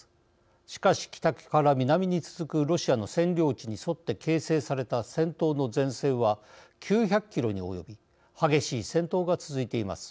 しかし、北から南に続くロシアの占領地に沿って形成された戦闘の前線は９００キロに及び激しい戦闘が続いています。